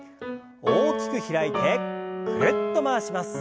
大きく開いてぐるっと回します。